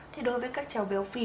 thì đối với các cháu béo phì